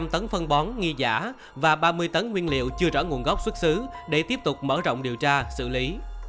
một trăm linh tấn phân bón nghi giả và ba mươi tấn nguyên liệu chưa rõ nguồn gốc xuất xứ để tiếp tục mở rộng điều tra xử lý